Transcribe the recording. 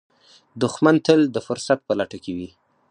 دښمن تل د فرصت په لټه کې وي